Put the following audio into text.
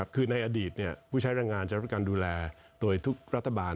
คือในอดีตผู้ใช้แรงงานจะร่วมกันดูแลโดยทุกรัฐบาล